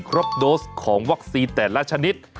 ครบโดสของวัคซีนแต่ละชนิด